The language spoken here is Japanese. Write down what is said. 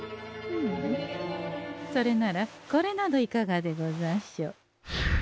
んそれならこれなどいかがでござんしょ？